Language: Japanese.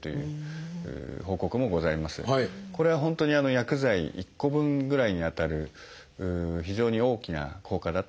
これは本当に薬剤１個分ぐらいにあたる非常に大きな効果だと我々は考えております。